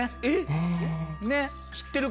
えっ！